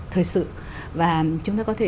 thời sự và chúng ta có thể